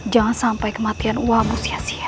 jangan sampai kematian wabu sia sia